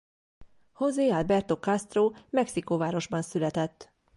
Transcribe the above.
José Alberto Castro Mexikóvárosban született.